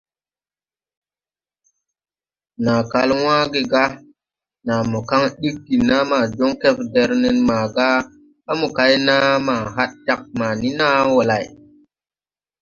Naa kal wãã ge ga naa mo kaŋ ɗig gi naa ma joŋ kɛfder nen màgà à mo kay naa ma had jāg mani naa wɔ lay.